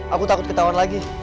aku takut ketahuan lagi